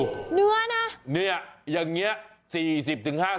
เนื้อนะเนี่ยอย่างเงี้ย๔๐๕๐บาท